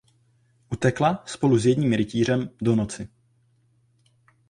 Utekla spolu s jedním rytířem do noci.